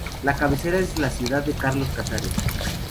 Su cabecera es la ciudad de Carlos Casares.